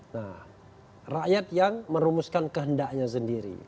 nah rakyat yang merumuskan kehendaknya sendiri